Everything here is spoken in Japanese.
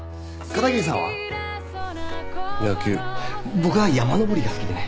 僕は山登りが好きでね。